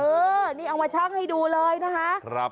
เออนี่เอามาชั่งให้ดูเลยนะคะ